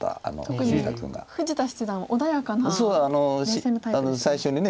特に富士田七段は穏やかな冷静なタイプですよね。